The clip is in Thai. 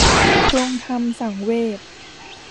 ปลงธรรมสังเวช